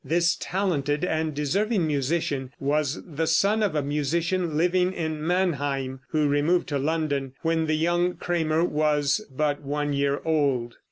This talented and deserving musician was the son of a musician living at Mannheim, who removed to London when the young Cramer was but one year old.